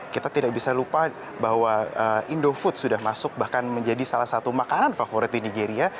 kita tidak bisa lupa bahwa indofood sudah masuk bahkan menjadi salah satu makanan favorit di nigeria